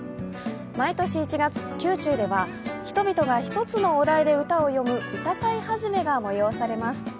毎年１月、宮中では人々が１つのお題で歌を詠む歌会始が催されます。